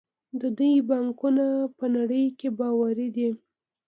د دوی بانکونه په نړۍ کې باوري دي.